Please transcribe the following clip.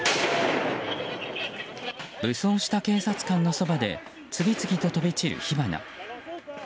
武装した警察官のそばで次々と飛び散る火花。